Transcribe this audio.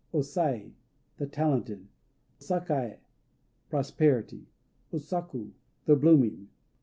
O Sai "The Talented." Sakaë "Prosperity." O Saku "The Blooming."